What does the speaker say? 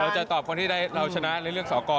จะตอบคนที่ได้เราชนะเรื่องสอครมากัน